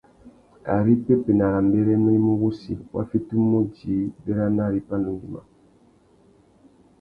Ari pepenarâmbérénô i mú wussi, wa fitimú djï béranari pandú ngüima.